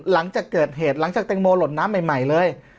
หลังจากเกิดเหตุหลังจากแตงโมหล่นน้ำใหม่เลย